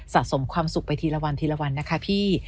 สะสมความสุขไปทีละวันนะคะพี่